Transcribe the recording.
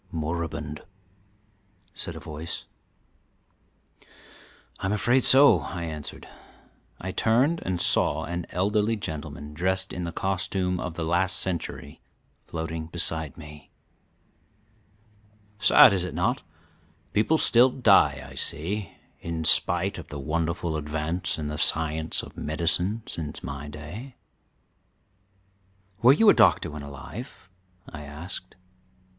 "Moribund," said a voice. "I'm afraid so," I answered. I turned and saw an elderly gentleman, dressed in the costume of the last century, floating beside me. "Sad, is it not? People still die, I see, in spite of the wonderful advance in the science of medicine since my day." "Were you a doctor when alive?" I asked.